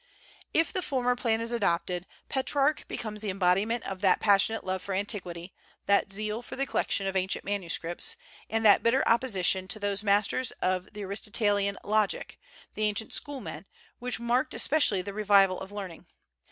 If the former plan is adopted, Petrarch becomes the embodiment of that passionate love for antiquity, that zeal for the collection of ancient manuscripts, and that bitter opposition to those masters of the Aristotelian logic, the ancient schoolmen, which marked especially the revival of learning.